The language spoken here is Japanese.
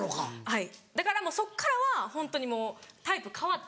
はいだからそこからはホントにもうタイプ変わって。